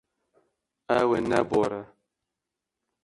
Ew ê nebore.